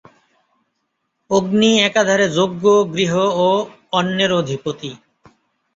অগ্নি একাধারে যজ্ঞ, গৃহ ও অন্নের অধিপতি।